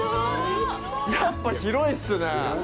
やっぱ広いっすね！